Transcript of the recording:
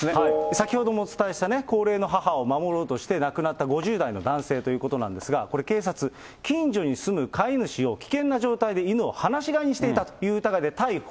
先ほどもお伝えした高齢の母を守ろうとして亡くなった５０代の男性ということなんですが、これ、警察、近所に住む飼い主を、危険な状態で犬を放し飼いにしていたという疑いで逮捕。